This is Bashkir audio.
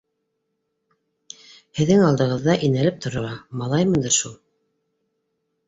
— Һеҙҙең алдығыҙҙа инәлеп торорға малаймындыр шул!